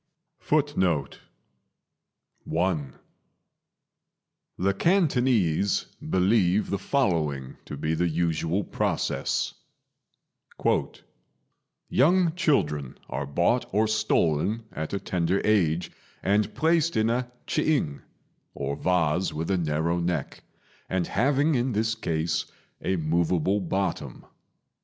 FOOTNOTE: The Cantonese believe the following to be the usual process: "Young children are bought or stolen at a tender age and placed in a ch'ing, or vase with a narrow neck, and having in this case a moveable bottom.